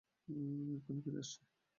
এক্ষুণি ফিরে আসছি।